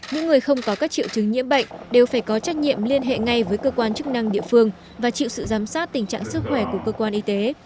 những người không có các triệu chứng nhiễm bệnh đều phải có trách nhiệm liên hệ ngay với cơ quan chức năng địa phương và chịu sự giám sát tình trạng sức khỏe của cơ quan y tế